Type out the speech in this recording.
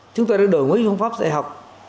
chúng tôi đã đổi mới phương pháp dạy học